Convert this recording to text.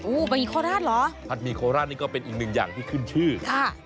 บะหีโคราชเหรอผัดหมี่โคราชนี่ก็เป็นอีกหนึ่งอย่างที่ขึ้นชื่อค่ะ